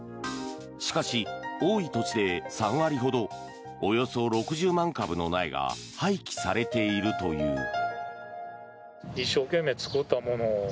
しかし、多い年で３割ほどおよそ６０万株の苗が廃棄されているという。